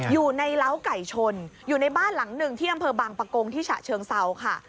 เล้าไก่ชนอยู่ในบ้านหลังหนึ่งที่อำเภอบางปะโกงที่ฉะเชิงเซาค่ะ